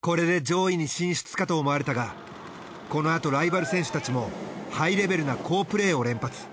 これで上位に進出かと思われたがこのあとライバル選手たちもハイレベルな好プレーを連発。